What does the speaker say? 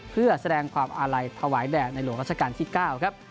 เพื่อแสดงความอาลัยถวายแด่ในหลวงราชการที่๙ครับ